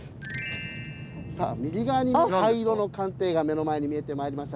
さあ右側に灰色の艦艇が目の前に見えてまいりました。